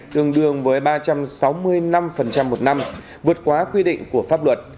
tương đương với ba trăm sáu mươi năm một năm vượt quá quy định của pháp luật